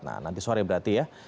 nah nanti sore berarti ya